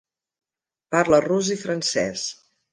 Parla rus i francès.